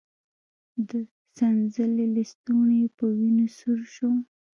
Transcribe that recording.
د څنځلې لستوڼی يې په وينو سور شو.